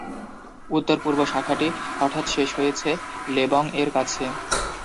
উত্তর-পূর্ব শাখাটি হঠাৎ শেষ হয়েছে লেবং-এর কাছে।